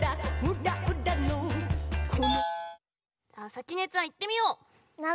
さきねちゃんいってみよう！